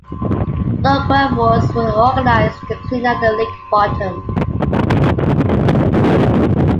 Local efforts were organized to clean up the lake bottom.